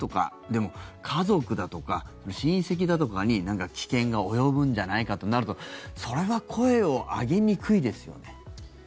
でも、家族だとか親戚だとかに危険が及ぶんじゃないかとなるとそれは声を上げにくいですよね。